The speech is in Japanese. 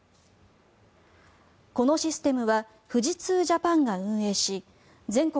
このシステムは富士通Ｊａｐａｎが運営し全国